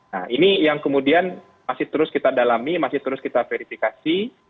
nah ini yang kemudian masih terus kita dalami masih terus kita verifikasi